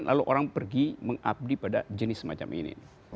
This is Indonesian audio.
lalu orang pergi mengabdi pada jenis semacam ini